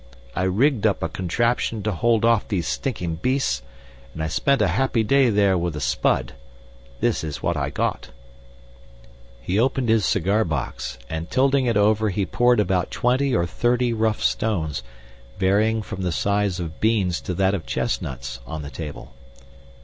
I rigged up a contraption to hold off those stinking beasts, and I spent a happy day there with a spud. This is what I got." He opened his cigar box, and tilting it over he poured about twenty or thirty rough stones, varying from the size of beans to that of chestnuts, on the table.